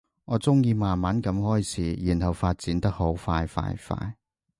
我鍾意慢慢噉開始，然後發展得好快快快